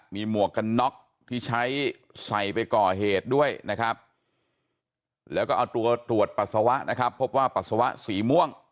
มีหมวกกันน็อกที่ใช้ใส่ไปก่อเหตุด้วยนะครับแล้วก็เอาตัวตรวจปัสสาวะนะครับพบว่าปัสสาวะสีม่วง